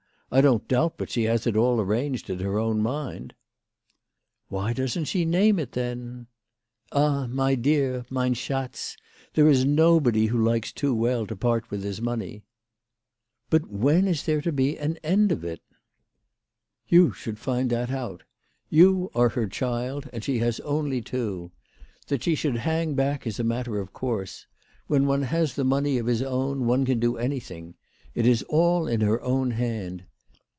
I don't doubt but she has it all arranged in her own mind." " Why doesn't she name it, then ?" 1 'Ah, my dear, mein schatz, there is nobody who likes too well to part with his money." " But when is there to be an end of it ?" WHY FRAIT FROHMANN RAISED HER PRICES. 39 " You should find that out. You are her child, and she has only two. That she should hang back is a matter of course. When one has the money of his own one can do anything. It is all in her own hand.